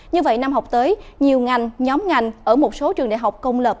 như vậy năm học tới nhiều ngành nhóm ngành ở một số trường đại học công lập